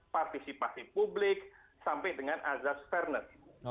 partisipasi publik sampai dengan azas fairness